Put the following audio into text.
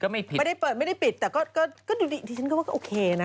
ไม่ปิดไม่ได้เปิดไม่ได้ปิดแต่ก็ดูดิดิฉันก็ว่าก็โอเคนะ